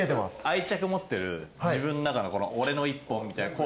愛着持ってる自分の中の俺の１本みたいな工具あります？